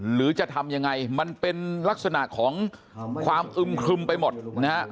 หรือจะทำยังไงมันเป็นลักษณะของความอึมครึมไปหมดนะฮะ